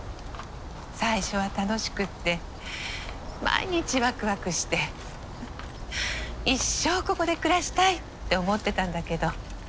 最初は楽しくて毎日ワクワクして一生ここで暮らしたいって思ってたんだけど。